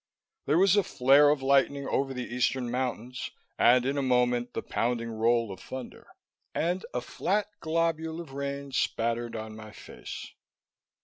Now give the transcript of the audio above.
There was a flare of lightning over the eastern mountains and, in a moment, the pounding roll of thunder. And a flat globule of rain splattered on my face.